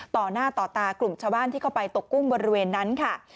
ต่อหน้าต่อตากลุ่มชาวบ้านที่เข้าไปตกกุ้งบริเวณนั้นค่ะ